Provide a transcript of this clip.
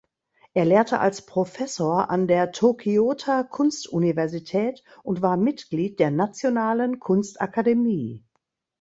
Er lehrte als Professor an der Tokioter Kunstuniversität und war Mitglied der nationalen Kunstakademie.